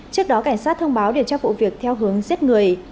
trước đó cảnh sát thông báo điều tra vụ việc theo hướng giết người